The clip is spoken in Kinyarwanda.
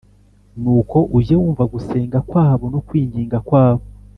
nuko ujye wumva gusenga kwabo no kwinginga kwabo